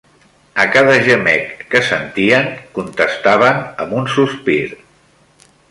A cada gemec que sentien contestaven amb un sospir